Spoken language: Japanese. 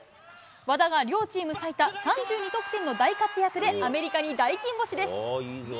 和田が両チーム最多３２得点の大活躍で、アメリカに大金星です。